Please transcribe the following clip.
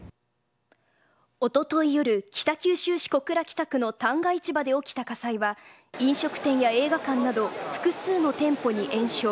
おととい夜北九州市小倉北区の旦過市場で起きた火災は飲食店や映画館など複数の店舗に延焼。